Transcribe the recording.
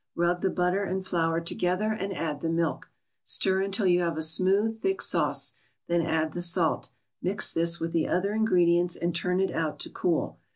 Rub the butter and flour together and add the milk. Stir until you have a smooth, thick sauce, then add the salt; mix this with the other ingredients and turn it out to cool.